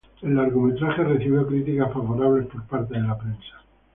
El largometraje recibió críticas favorables por parte de la prensa.